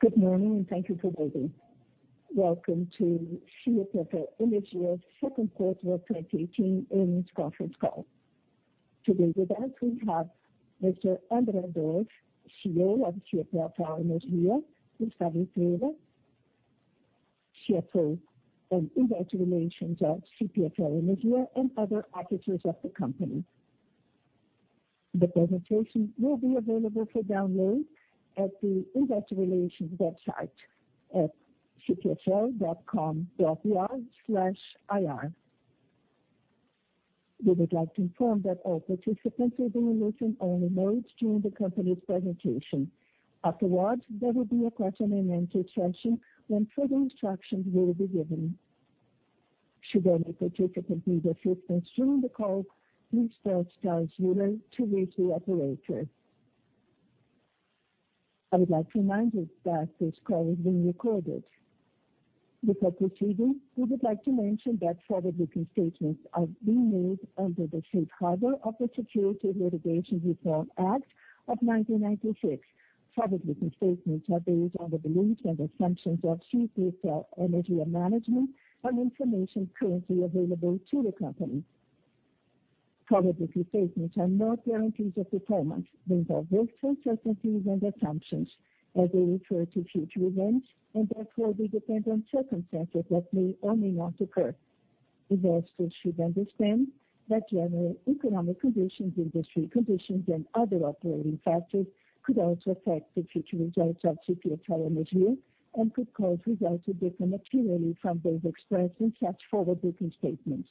Good morning, and thank you for waiting. Welcome to CPFL Energia's second quarter of 2018 earnings conference call. Today with us we have Mr. André Dorf, CEO of CPFL Energia, Gustavo Estrella, CFO and investor relations of CPFL Energia, and other officers of the company. The presentation will be available for download at the investor relations website at cpfl.com.br/ir. We would like to inform that all participants will be in listen-only mode during the company's presentation. Afterwards, there will be a question and answer session when further instructions will be given. Should any participant need assistance during the call, please press star zero to reach the operator. I would like to remind you that this call is being recorded. Before proceeding, we would like to mention that forward-looking statements are being made under the safe harbor of the Private Securities Litigation Reform Act of 1996. Forward-looking statements are based on the beliefs and assumptions of CPFL Energia management on information currently available to the company. Forward-looking statements are not guarantees of performance. They involve risks, uncertainties, and assumptions as they refer to future events and therefore they depend on circumstances that may or may not occur. Investors should understand that general economic conditions, industry conditions, and other operating factors could also affect the future results of CPFL Energia and could cause results to differ materially from those expressed in such forward-looking statements.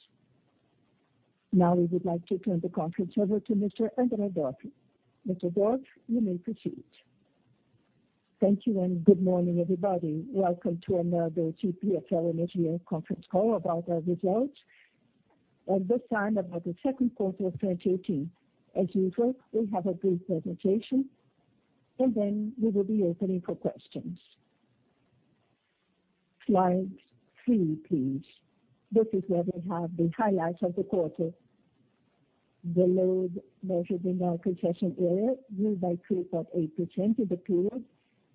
Now we would like to turn the conference over to Mr. André Dorf. Mr. Dorf, you may proceed. Thank you. Good morning, everybody. Welcome to another CPFL Energia conference call about our results. At this time, about the second quarter of 2018. As usual, we have a brief presentation, and then we will be opening for questions. Slide three, please. This is where we have the highlights of the quarter. The load measured in our concession area grew by 3.8% in the period.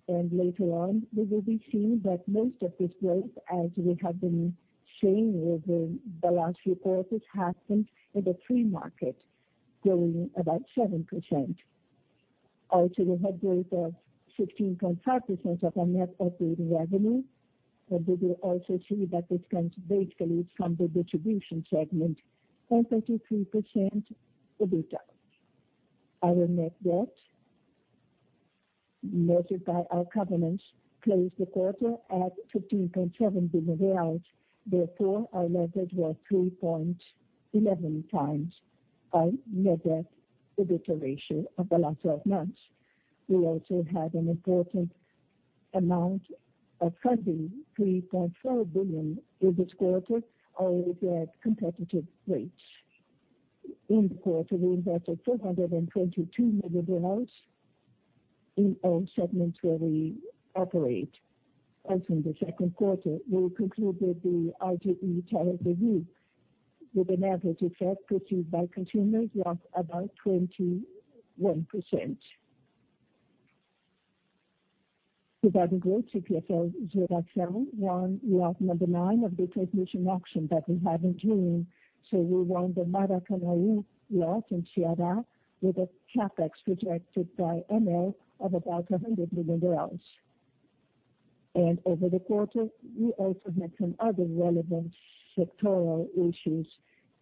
Later on we will be seeing that most of this growth, as we have been seeing over the last few quarters, happened in the free market, growing about 7%. Also, we had growth of 16.5% of our net operating revenue, and we will also see that it comes basically from the distribution segment and 33% EBITDA. Our net debt measured by our covenants closed the quarter at 15.7 billion reais. Therefore, our leverage was 3.11 times our net debt EBITDA ratio of the last 12 months. We also had an important amount of funding, 3.4 billion in this quarter, all with competitive rates. In the quarter, we invested BRL 422 million in all segments where we operate. Also in the second quarter, we concluded the RGE tariff review with an average effect perceived by consumers of about 21%. Regarding growth, CPFL Geração won lot number nine of the transmission auction that we had in June. So we won the Maracanaú lot in Ceará with a CapEx projected by ANEEL of about BRL 100 million. And over the quarter, we also mentioned other relevant sectoral issues.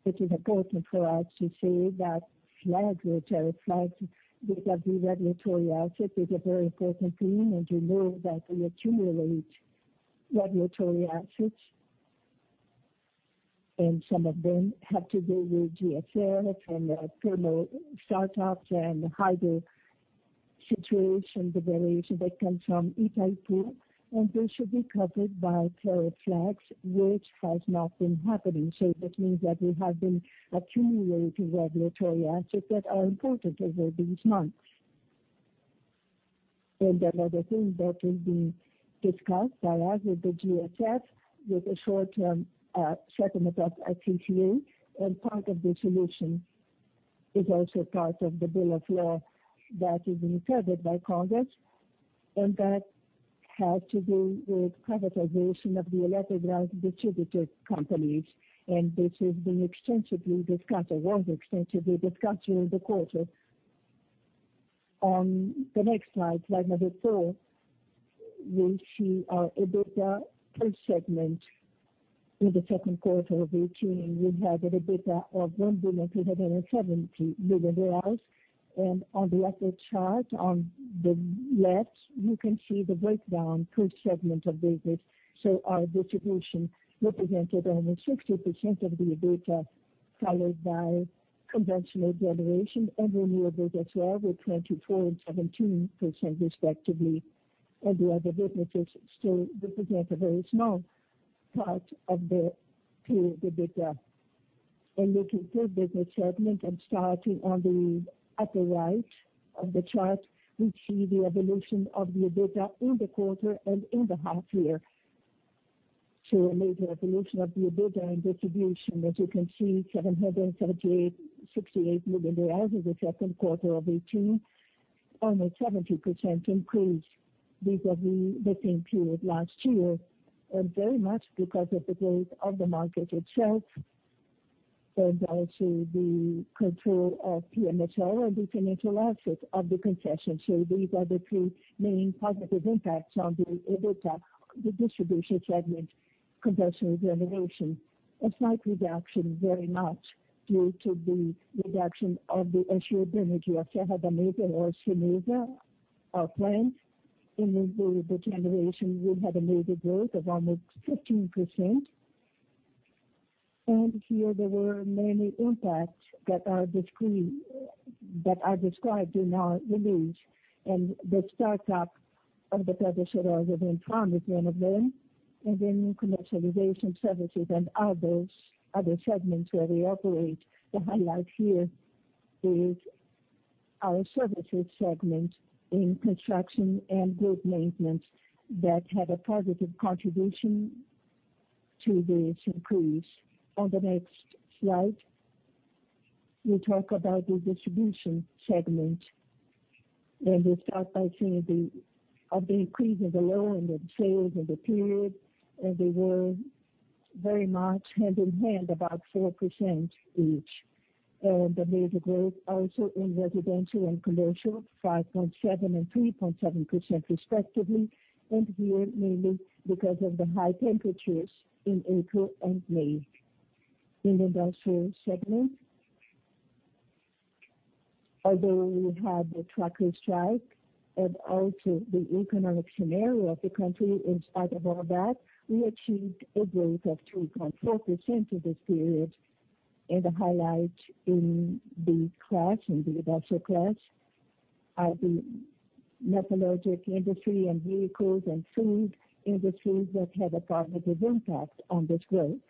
It is important for us to say that flagrancy of regulatory assets is a very important theme, and you know that we accumulate regulatory assets, and some of them have to do with GSF and thermal startups and hydro situation, the variation that comes from Itaipu, and they should be covered by tariffs, which has not been happening. So that means that we have been accumulating regulatory assets that are important over these months. Another thing that is being discussed a lot with the GSF, with a short-term settlement of TCU, part of the solution is also part of the bill of law that is being served by Congress, that has to do with privatization of the electric distributor companies, this has been extensively discussed or was extensively discussed during the quarter. On the next slide number four, we see our EBITDA per segment in the second quarter of 2018. We had an EBITDA of BRL 1,370 million, on the upper chart on the left, you can see the breakdown per segment of business. Our distribution represented almost 60% of the EBITDA, followed by conventional generation and renewables as well, with 24% and 17% respectively. The other businesses still represent a very small part of the total EBITDA. Looking per business segment and starting on the upper right of the chart, we see the evolution of the EBITDA in the quarter and in the half year To make the evolution of the EBITDA in distribution. As you can see, BRL 778.68 million in the second quarter of 2018, almost 17% increase vis-a-vis the same period last year, very much because of the growth of the market itself and also the control of PMSO and the financial assets of the concession. These are the three main positive impacts on the EBITDA. The distribution segment, conventional generation, a slight reduction very much due to the reduction of the issue of energy of Serra da Mesa or Cimeira, our plant. In the generation, we had a negative growth of almost 15%. Here there were many impacts that are described in our release, the startup of the Pedro de Souza II in Parnaíba is one of them, then commercialization services and others, other segments where we operate. The highlight here is our services segment in construction and grid maintenance that had a positive contribution to this increase. On the next slide, we talk about the distribution segment. We start by seeing the increase and the low in the sales in the period, they were very much hand in hand, about 4% each. The major growth also in residential and commercial, 5.7% and 3.7% respectively, here mainly because of the high temperatures in April and May. In the industrial segment, although we had the truckers' strike and also the economic scenario of the country, in spite of all that, we achieved a growth of 3.4% in this period. The highlight in the class, in the industrial class, are the metallurgical industry and vehicles and food industries that had a positive impact on this growth.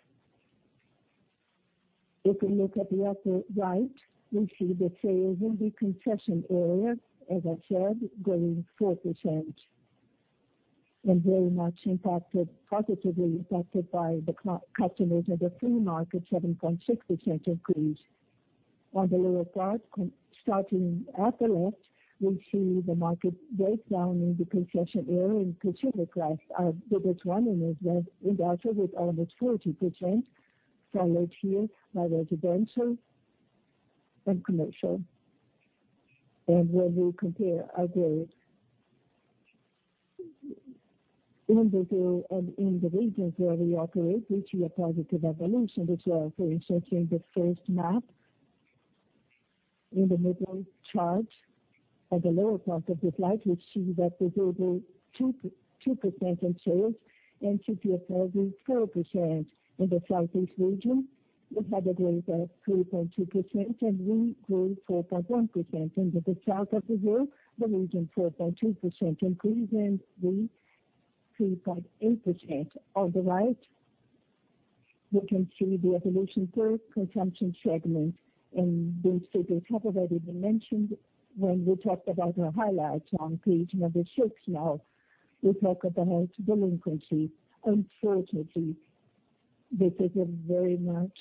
If we look at the upper right, we see the sales in the concession area, as I said, growing 4%. Very much positively impacted by the customers in the free market, 7.6% increase. On the lower part, starting at the left, we see the market breakdown in the concession area and consumer class. Our biggest one in industrial with almost 40%, followed here by residential and commercial. When we compare our growth in Brazil and in the regions where we operate, which were a positive evolution as well. For instance, in the first map in the middle chart, at the lower part of the slide, we see that Brazil grew 2% in sales and CPFL grew 4%. In the Southeast region, we had a growth of 3.2%, and we grew 4.1%. In the South of Brazil, the region 4.2% increase and we 3.8%. On the right, we can see the evolution per consumption segment, these figures have already been mentioned when we talked about our highlights on page number six. Now, we talk about delinquency. Unfortunately, this is a very much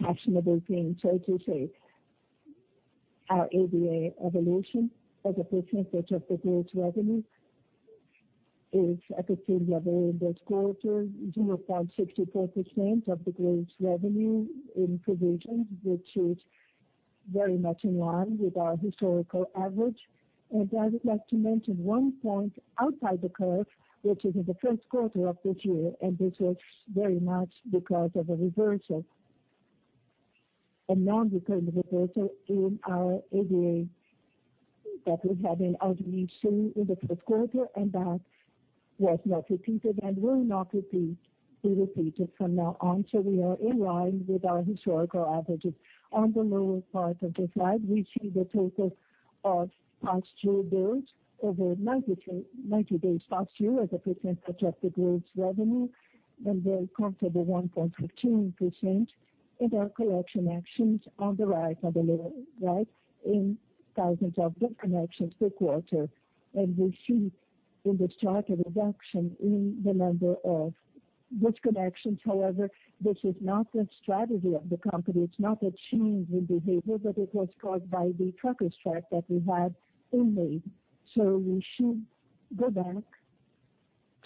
fashionable thing, so to say. Our ADA evolution as a percentage of the gross revenue is at the same level in this quarter, 0.64% of the gross revenue in provisions, which is very much in line with our historical average. I would like to mention one point outside the curve, which is in the first quarter of this year, this was very much because of a reversal, a non-recurring reversal in our ADA that we had in our initial, in the first quarter, that was not repeated and will not be repeated from now on. We are in line with our historical averages. On the lower part of the slide, we see the total of past due bills over 90 days past due as a percentage of the gross revenue, very comfortable 1.15% in our collection actions. On the right, on the lower right, in thousands of disconnections per quarter. We see in this chart a reduction in the number of disconnections. However, this is not the strategy of the company. It's not a change in behavior, but it was caused by the truckers' strike that we had in May. We should go back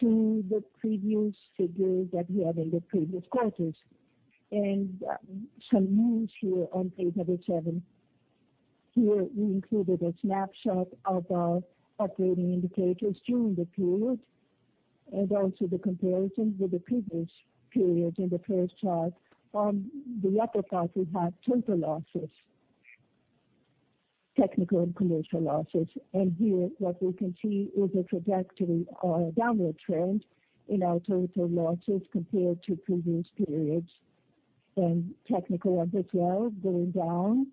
to the previous figures that we had in the previous quarters. Some news here on page number seven. Here we included a snapshot of our operating indicators during the period and also the comparison with the previous periods in the first chart. On the upper part, we have total losses, technical and commercial losses. Here what we can see is a trajectory or a downward trend in our total losses compared to previous periods, technical as well going down,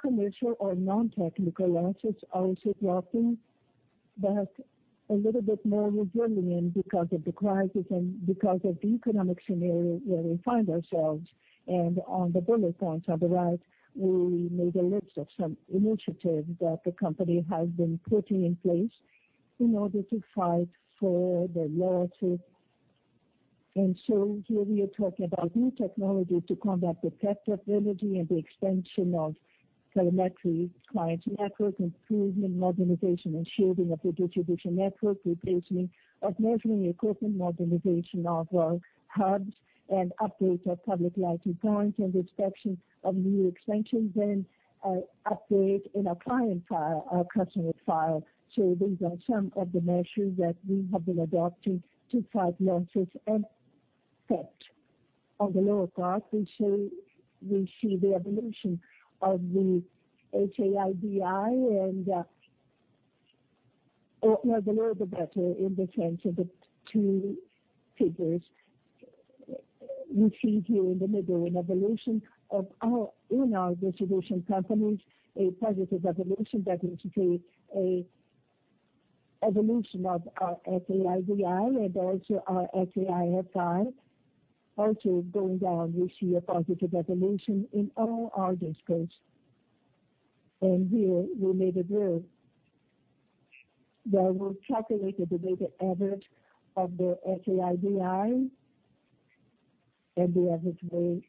commercial or non-technical losses also dropping, but a little bit more resilient because of the crisis and because of the economic scenario where we find ourselves. On the bullet points on the right, we made a list of some initiatives that the company has been putting in place in order to fight for the loyalty. Here we are talking about new technology to combat the theft of energy and the expansion of telemetry client network, improvement, modernization, and shielding of the distribution network, replacement of measuring equipment, modernization of our hubs, and updates of public lighting points, and the expansion of new extensions and update in our customer file. These are some of the measures that we have been adopting to fight losses and theft. On the lower part, we see the evolution of the HAIDI. The lower the better in the sense of the two figures. You see here in the middle an evolution in our distribution companies, a positive evolution. That is to say, an evolution of our HAIDI and also our HAIFI. Going down, we see a positive evolution in all our districts. Here we made a graph, where we've calculated the weighted average of the HAIDI and the average weight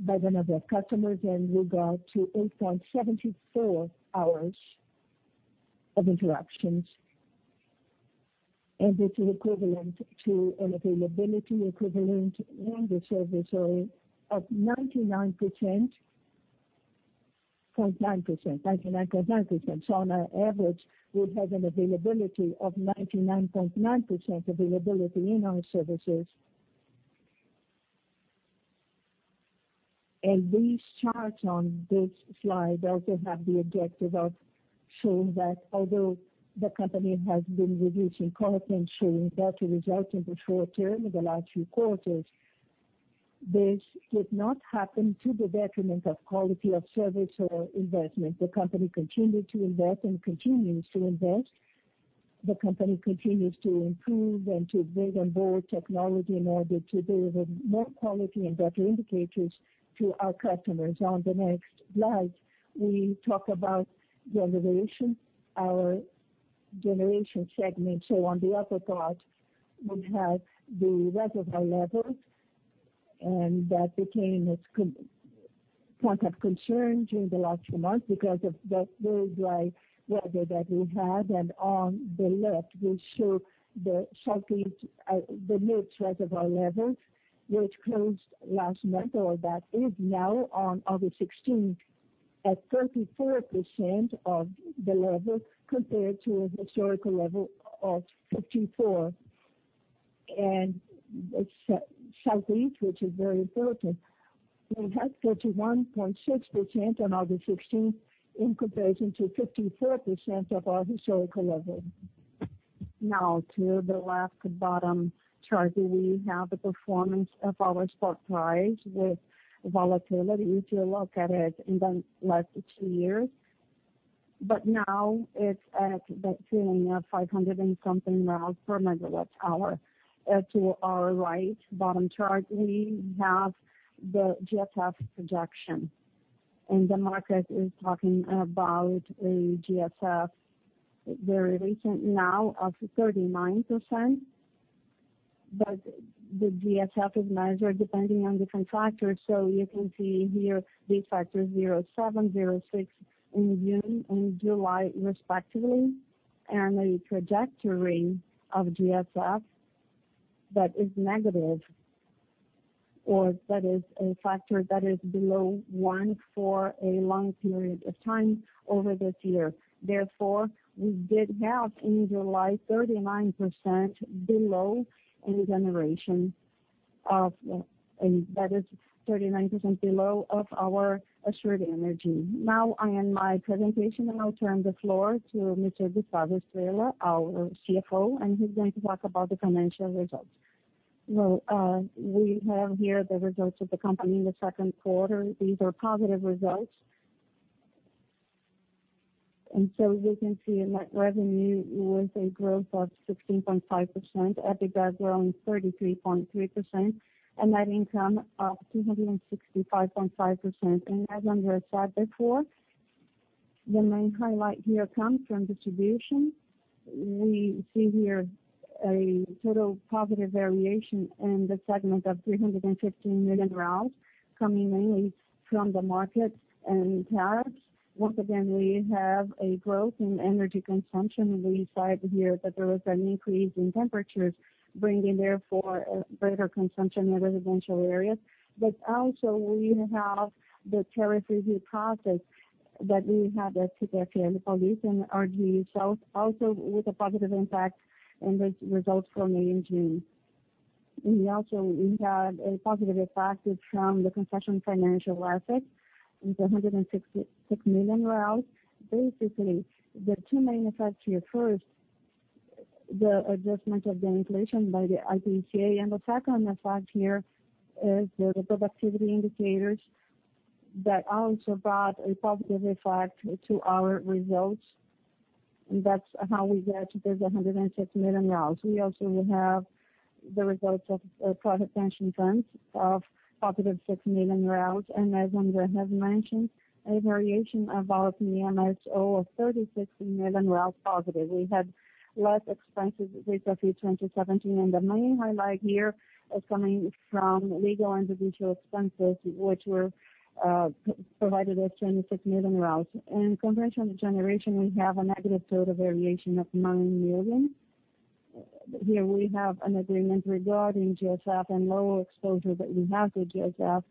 by the number of customers, and we got to 8.74 hours of interruptions. It's equivalent to an availability equivalent in the service of 99.9%. On average, we have an availability of 99.9% availability in our services. These charts on this slide also have the objective of showing that although the company has been reducing CapEx, showing better results in the short term in the last few quarters, this did not happen to the detriment of quality of service or investment. The company continued to invest and continues to invest. The company continues to improve and to bring on board technology in order to deliver more quality and better indicators to our customers. On the next slide, we talk about generation, our generation segment. On the upper part, we have the reservoir levels, that became a point of concern during the last few months because of the dry weather that we had. On the left, we show the Southeast, the mid reservoir levels, which closed last month, or that is now on August 16th, at 34% of the level compared to a historical level of 54%. It's Southeast, which is very important. We had 31.6% on August 16th in comparison to 54% of our historical level. To the left bottom chart, we have the performance of our spot price with volatility, if you look at it in the last two years. It's at the tune of 500 and something per megawatt hour. To our right bottom chart, we have the GSF projection, the market is talking about a GSF very recent now of 39%, the GSF is measured depending on the contractor. You can see here these factors 07, 06 in June and July respectively, a trajectory of GSF that is negative or that is a factor that is below one for a long period of time over this year. We did have in July 39% below in generation, that is 39% below of our assured energy. I end my presentation, I'll turn the floor to Mr. Gustavo Estrella, our CFO, he's going to talk about the financial results. We have here the results of the company in the second quarter. These are positive results. We can see net revenue with a growth of 16.5%, EBITDA growing 33.3%, net income up 265.5%. As André said before, the main highlight here comes from distribution. We see here a total positive variation in the segment of 315 million coming mainly from the markets and tariffs. We have a growth in energy consumption. We said here that there was an increase in temperatures, bringing therefore a greater consumption in residential areas. Also we have the tariff review process that we had at CPFL Paulista and RGE Sul, also with a positive impact in the results from May and June. We also had a positive effect from the concession financial assets of 166 million. The two main effects here. First, the adjustment of the inflation by the IPCA. The second effect here is the productivity indicators that also brought a positive effect to our results. That's how we get to this 106 million. We also have the results of credit pension funds of positive 6 million. As André has mentioned, a variation of our PMSO of 36 million positive. We had less expenses vis-a-vis 2017, and the main highlight here is coming from legal and judicial expenses, which provided us 26 million. In conventional generation, we have a negative total variation of 9 million. Here we have an agreement regarding GSF and lower exposure that we have to GSF,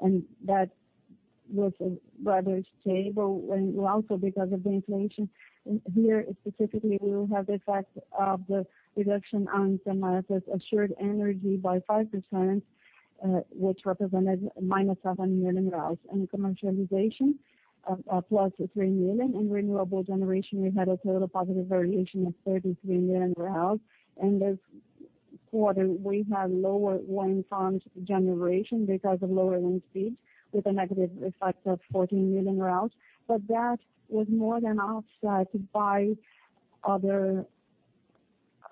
and that was rather stable. Also because of the inflation here specifically, we will have the effect of the reduction on some assets, assured energy by 5%, which represented -7 million. In commercialization, a plus 3 million. In renewable generation, we had a total positive variation of 33 million. In this quarter, we had lower wind farms generation because of lower wind speeds with a negative effect of 14 million. That was more than offset by other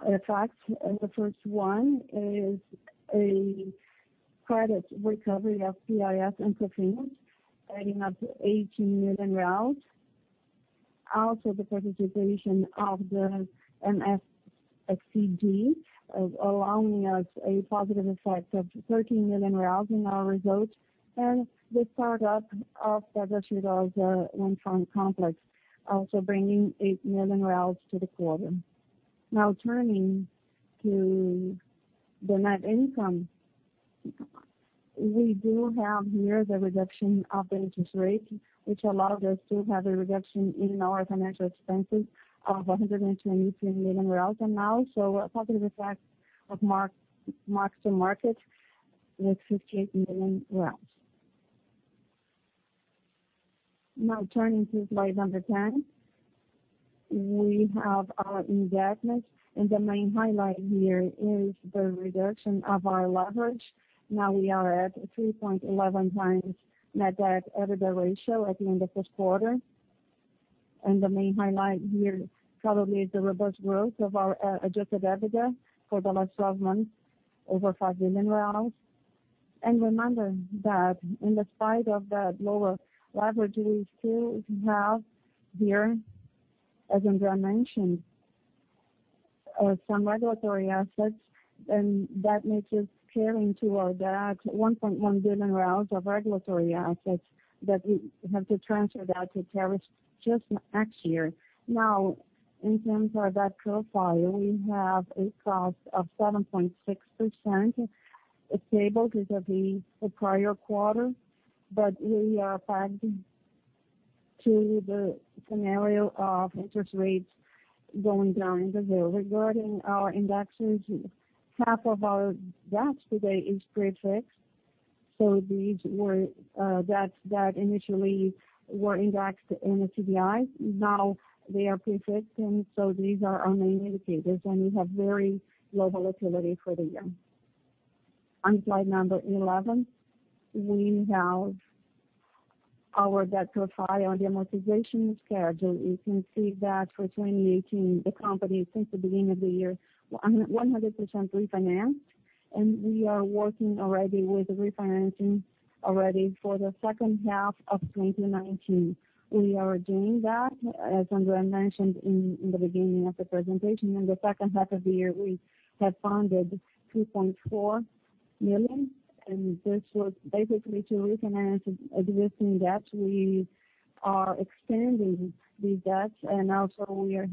effects. The first one is a credit recovery of PIS and COFINS, adding up to 18 million. Also, the participation of the CCEE allowing us a positive effect of 13 million reais in our results, and the start-up of Taguaçura's wind farm complex, also bringing 8 million to the quarter. Now turning to the net income. We do have here the reduction of the interest rate, which allowed us to have a reduction in our financial expenses of BRL 123 million. Now, so a positive effect of mark-to-market with BRL 58 million. Now turning to slide 10, we have our indebtedness, the main highlight here is the reduction of our leverage. Now we are at 3.11 times net debt EBITDA ratio at the end of this quarter. The main highlight here probably is the robust growth of our adjusted EBITDA for the last 12 months, over 5 billion. Remember that in spite of that lower leverage, we still have here, as André mentioned, some regulatory assets, and that makes us carrying to our debt 1.1 billion of regulatory assets that we have to transfer that to ANEEL just next year. Now, in terms of our debt profile, we have a cost of 7.6%, stable vis-a-vis the prior quarter. We are pegged to the scenario of interest rates going down the hill. Regarding our indexes, half of our debt today is prefix, so these were debts that initially were indexed in CDI. Now they are prefix, these are our main indicators, we have very low volatility for the year. On slide 11, we have our debt profile and amortization schedule. You can see that for 2018, the company, since the beginning of the year, 100% refinanced, we are working already with refinancing already for the second half of 2019. We are doing that, as André mentioned in the beginning of the presentation. In the second half of the year, we have funded 2.4 million, this was basically to refinance existing debt. We are extending the debt and also we are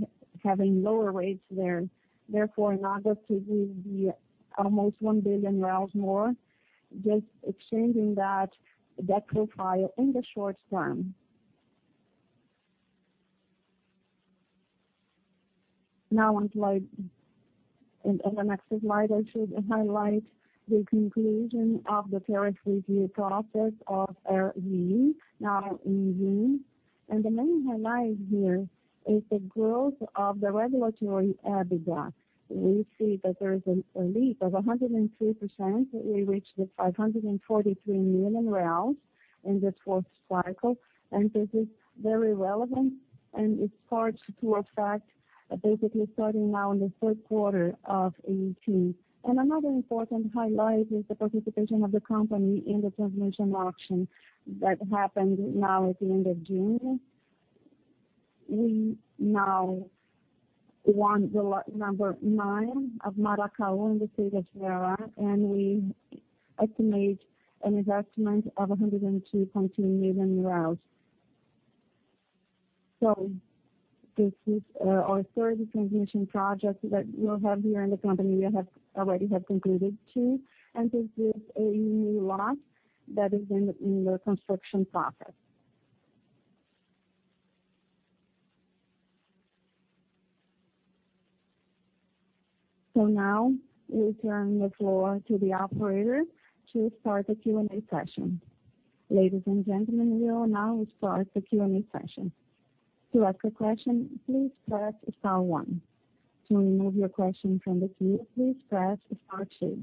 having lower rates there. Therefore, in order to give the almost 1 billion more, just extending that debt profile in the short term. On the next slide, I should highlight the conclusion of the tariff review process of RGE, now in June. The main highlight here is the growth of the regulatory EBITDA. We see that there is a leap of 103%. We reached 543 million in the fourth cycle, and this is very relevant, and it starts to affect basically starting now in the 3rd quarter of 2018. Another important highlight is the participation of the company in the transmission auction that happened now at the end of June. We now won the lot number 9 of Maracanaú in the state of Ceará, and we estimate an investment of BRL 102.2 million. This is our third transmission project that we'll have here in the company. We have already concluded two, and this is a new lot that is in the construction process. Now we turn the floor to the operator to start the Q&A session. Ladies and gentlemen, we will now start the Q&A session. To ask a question, please press star 1. To remove your question from the queue, please press star 2.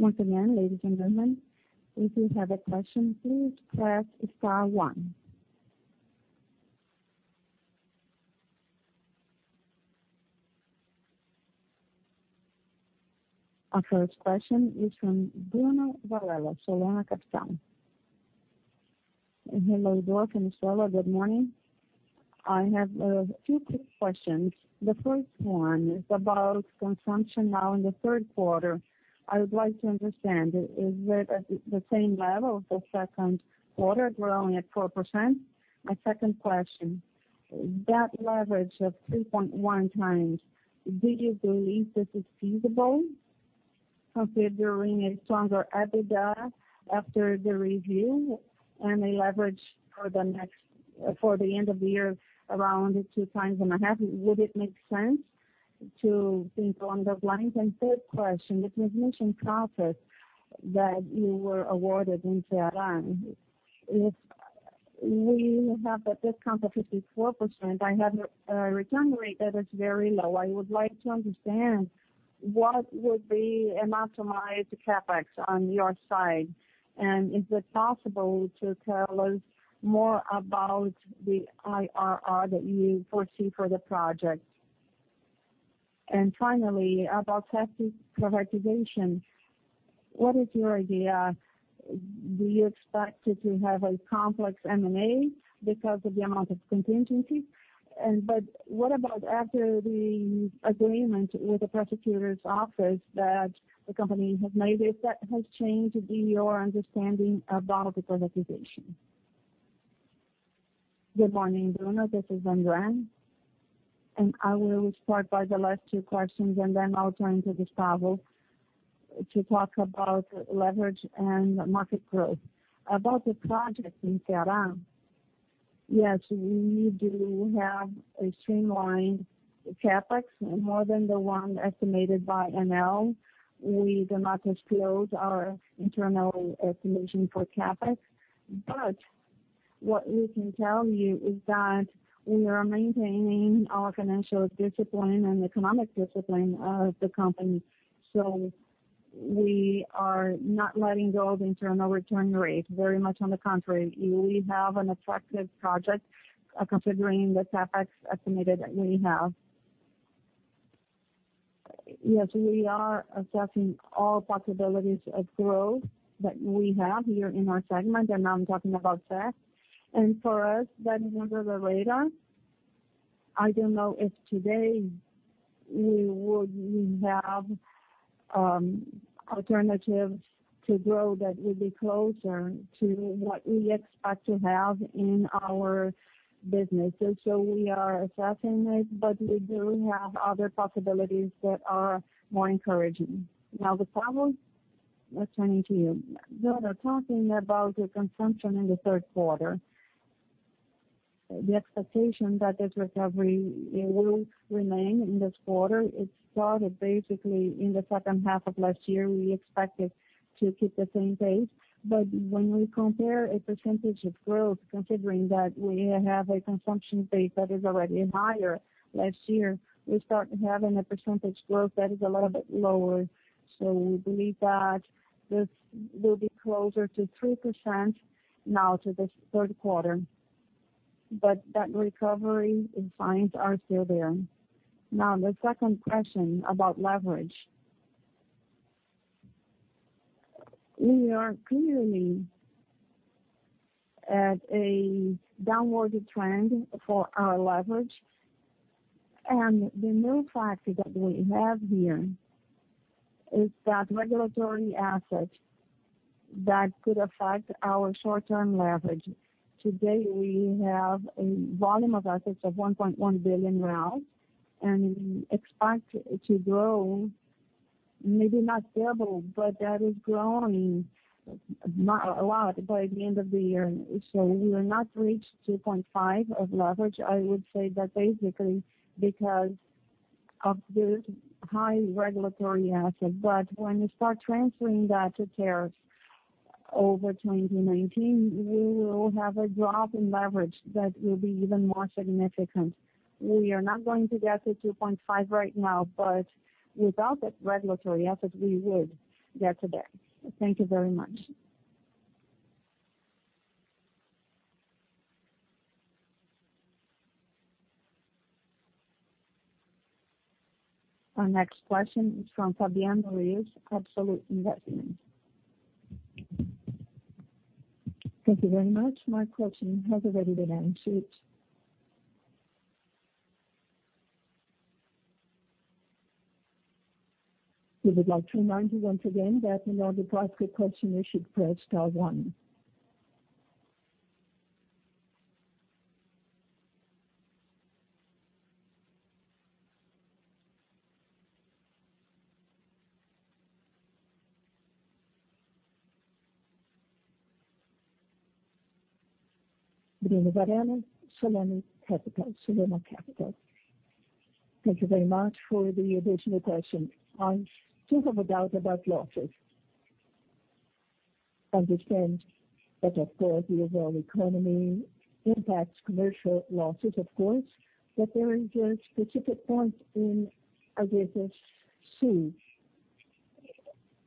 Once again, ladies and gentlemen, if you have a question, please press star 1. Our first question is from Bruno Varella, Solana Capital. Hello, Eduardo and Daniela. Good morning. I have two quick questions. The first one is about consumption now in the third quarter. I would like to understand, is it at the same level as the second quarter, growing at 4%? My second question, that leverage of 3.1x, do you believe this is feasible considering a stronger EBITDA after the review and a leverage for the end of the year around 2.5x? Would it make sense to think along those lines? Third question, the transmission process that you were awarded in Ceará. If we have a discount of 54%, I have a return rate that is very low. I would like to understand what would be a maximized CapEx on your side, and is it possible to tell us more about the IRR that you foresee for the project? Finally, about CESP's privatization, what is your idea? Do you expect to have a complex M&A because of the amount of contingencies? What about after the agreement with the prosecutor's office that the company has made, if that has changed your understanding about the privatization. Good morning, Bruno. This is André, I will start by the last two questions, and then I'll turn to Gustavo to talk about leverage and market growth. About the project in Ceará, yes, we do have a streamlined CapEx, more than the one estimated by ML. We do not disclose our internal estimation for CapEx. What we can tell you is that we are maintaining our financial discipline and economic discipline of the company. We are not letting go of internal return rate. Very much on the contrary. We have an attractive project considering the CapEx estimated that we have. Yes, we are assessing all possibilities of growth that we have here in our segment, and I'm talking about CESP. For us, that is under the radar. I don't know if today we would have alternatives to grow that would be closer to what we expect to have in our businesses. We are assessing it, but we do have other possibilities that are more encouraging. Gustavo, turning to you. Bruno, talking about the consumption in the third quarter, the expectation that this recovery will remain in this quarter, it started basically in the second half of last year. We expect it to keep the same pace. When we compare a percentage of growth, considering that we have a consumption base that is already higher, last year, we start having a percentage growth that is a little bit lower. We believe that this will be closer to 3% now to this third quarter. That recovery signs are still there. The second question about leverage. We are clearly at a downward trend for our leverage, and the new factor that we have here is that regulatory asset that could affect our short-term leverage. Today, we have a volume of assets of 1.1 billion, and we expect to grow, maybe not double, but that is growing a lot by the end of the year. We will not reach 2.5 of leverage, I would say that basically because of this high regulatory asset. When you start transferring that to tariffs over 2019, we will have a drop in leverage that will be even more significant. We are not going to get to 2.5 right now, but without that regulatory asset, we would get there. Thank you very much. Our next question is from Fabiano Rios, Absolute Investimentos. Thank you very much. My question has already been answered. We would like to remind you once again that in order to ask a question, you should press star one. Bruno Varella, Soleya Capital. Thank you very much for the additional question. I still have a doubt about losses. Understand that of course the overall economy impacts commercial losses, of course. There is a specific point in RGE Sul.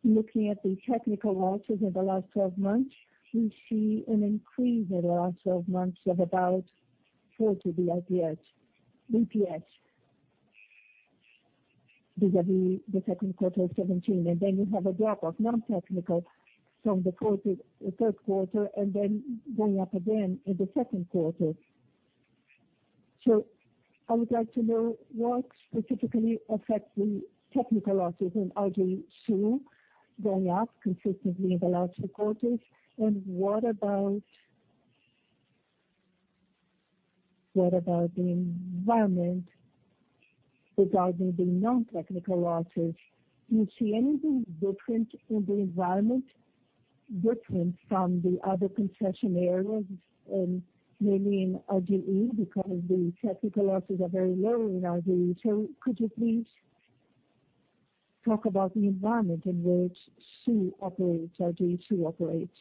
Looking at the technical losses in the last 12 months, we see an increase in the last 12 months of about 40 basis points vis-a-vis the second quarter of 2017, and then you have a drop of non-technical from the third quarter, and then going up again in the second quarter. I would like to know what specifically affects the technical losses in RGE Sul going up consistently in the last two quarters. And what about the environment regarding the non-technical losses? Do you see anything different in the environment, different from the other concession areas, and mainly in RGE because the technical losses are very low in RGE. Could you please talk about the environment in which RGE Sul operates.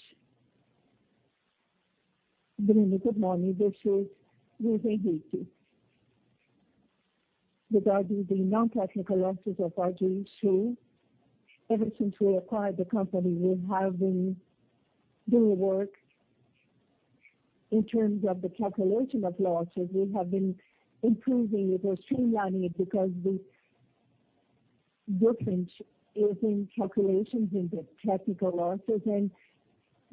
Bruno, good morning. This is Rosemeir Reis. Regarding the non-technical losses of RGE Sul, ever since we acquired the company, we have been doing work in terms of the calculation of losses. We have been improving it or streamlining it because the difference is in calculations in the technical losses, and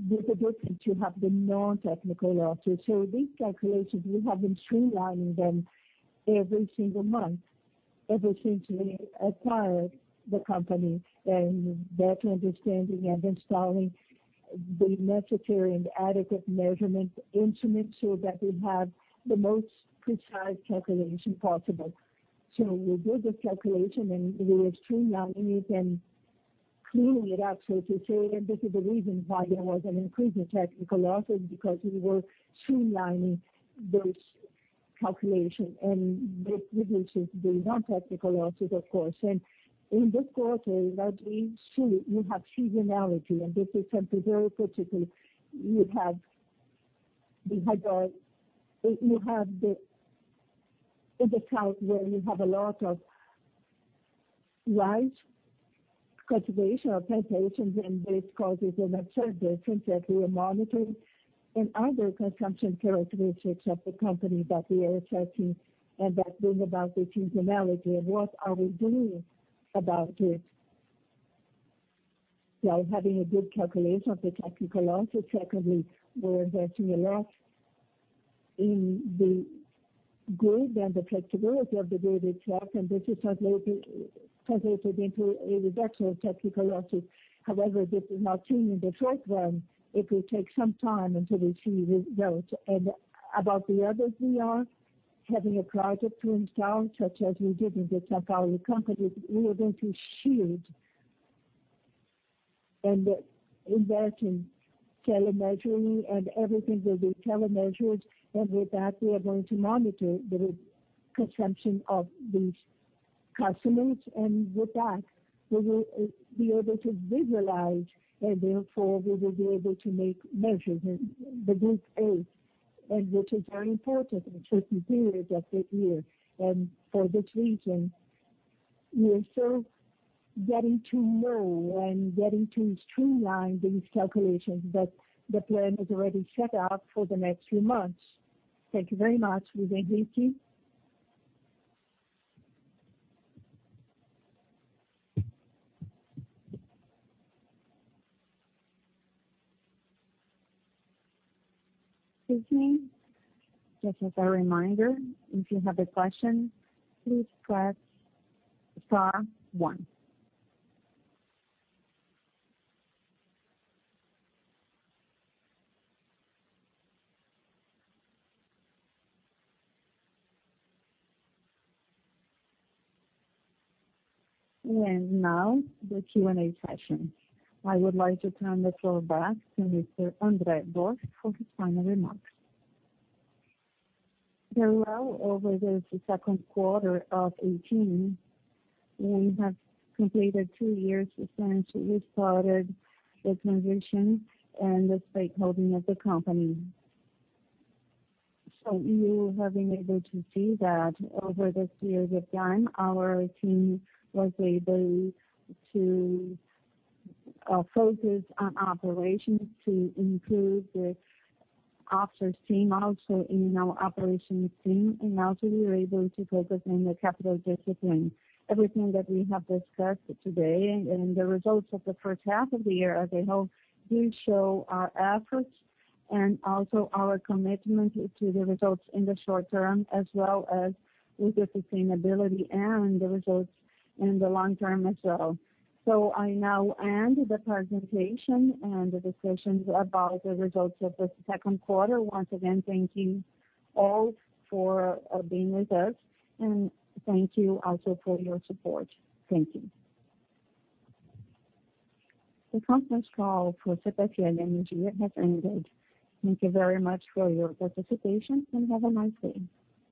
with the difference, you have the non-technical losses. These calculations, we have been streamlining them every single month ever since we acquired the company, and better understanding and installing the necessary and adequate measurement instruments so that we have the most precise calculation possible. We did the calculation, and we are streamlining it and cleaning it up, so to say. This is the reason why there was an increase in technical losses, because we were streamlining those calculations. This reduces the non-technical losses, of course. In this quarter, in RGE Sul, you have seasonality, and this is something very particular. In the south, where you have a lot of rice cultivation or plantations, this causes an observed difference that we are monitoring. Other consumption characteristics of the company that we are assessing, and that's been about the seasonality, and what are we doing about it. Having a good calculation of the technical losses. Secondly, we're investing a lot in the grid and the flexibility of the grid itself, and this is translated into a reduction of technical losses. However, this is not seen in the short run. It will take some time until we see results. About the others, we are having a project to install, such as we did in the São Paulo companies. We are going to shield and invest in telemeasuring and everything will be telemeasured. With that, we are going to monitor the consumption of these customers. With that, we will be able to visualize, and therefore we will be able to make measures in the group A, and which is very important in certain periods of the year. For this reason, we are still getting to know and getting to streamline these calculations, but the plan is already set out for the next few months. Thank you very much, Rosemeir Reis. Excuse me. Just as a reminder, if you have a question, please press star one. Now the Q&A session. I would like to turn the floor back to Mr. André Dorf for his final remarks. Well, over this second quarter of 2018, we have completed two years since we started the transition and the stakeholding of the company. You have been able to see that over this period of time, our team was able to focus on operations to improve the officers team also in our operations team, and also we were able to focus on the capital discipline. Everything that we have discussed today and the results of the first half of the year as a whole do show our efforts and also our commitment to the results in the short term, as well as with the sustainability and the results in the long term as well. I now end the presentation and the discussions about the results of the second quarter. Once again, thank you all for being with us, and thank you also for your support. Thank you. The conference call for CPFL Energia has ended. Thank you very much for your participation, and have a nice day.